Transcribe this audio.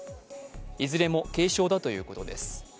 いずれも軽傷だということです。